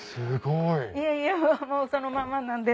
いやいやそのままなんです。